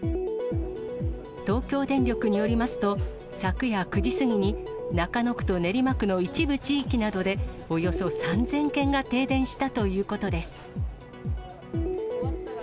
東京電力によりますと、昨夜９時過ぎに、中野区と練馬区の一部地域などで、およそ３０００軒が停電したということです。